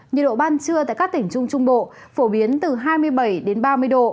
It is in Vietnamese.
nhiệt độ ban trưa tại các tỉnh trung trung bộ phổ biến từ hai mươi bảy đến ba mươi độ